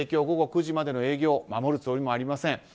午後９時までの営業守るつもりもありません。